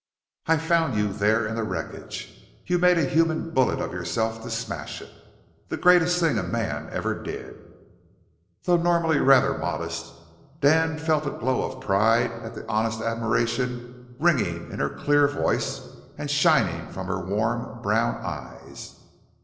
"I found you there in the wreckage. You made a human bullet of yourself to smash it! The greatest thing a man ever did!" Though normally rather modest, Dan felt a glow of pride at the honest admiration ringing in her clear voice, and shining from her warm brown eyes.